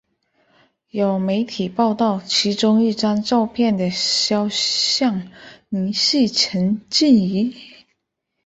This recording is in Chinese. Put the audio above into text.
有媒体报道其中一张照片的肖像疑似陈静仪。